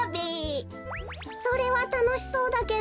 それはたのしそうだけど。